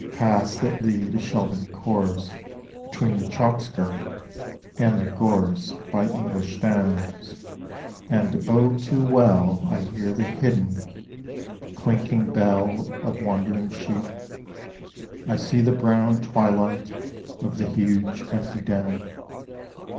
Paths that lead a shelving course Between the chalk scarp and the gorse By English downs; and, O! too well I hear the hidden, clanking bell Of wandering sheep.... I see the brown Twilight of the huge empty down....